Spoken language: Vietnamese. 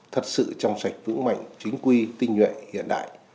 thật sự trong sạch vững mạnh chính quy tinh nhuệ hiện đại